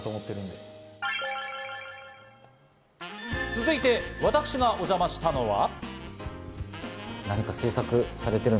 続いて私がおじゃましたのは。